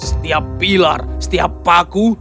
setiap pilar setiap paku